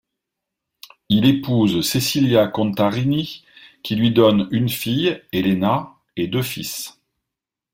Il épouse Cecilia Contarini qui lui donne une fille, Elena, et deux fils.